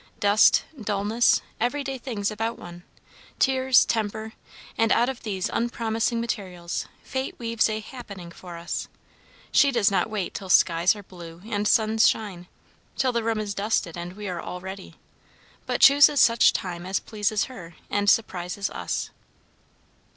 Dust, dulness, every day things about one, tears, temper; and out of these unpromising materials Fate weaves a "happening" for us. She does not wait till skies are blue and suns shine, till the room is dusted, and we are all ready, but chooses such time as pleases her, and surprises us.